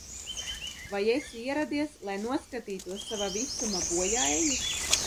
Vai esi ieradies, lai noskatītos sava visuma bojāeju?